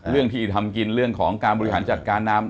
เรื่องที่ทำกินเรื่องของการบริหารจัดการน้ำ